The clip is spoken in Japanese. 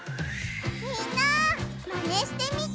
みんなマネしてみてね！